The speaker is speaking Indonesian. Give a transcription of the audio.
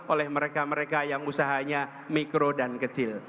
oleh mereka mereka yang usahanya mikro dan kecil